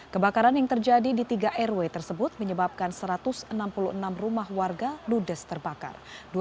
kebakaran yang terjadi di tiga rw tersebut menyebabkan satu ratus enam puluh enam rumah warga ludes terbakar